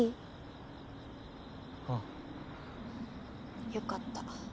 ああよかった